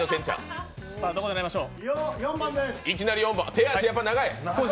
手足、やっぱり長い。